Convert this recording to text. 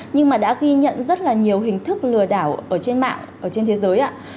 nhưng mà đã ghi nhận rất là nhiều hình thức lừa đảo ở trên mạng ở trên thế giới ạ